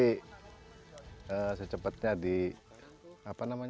akan menjadi kegiatan favorit untuk peluang pulau ini